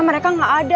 mereka nggak ada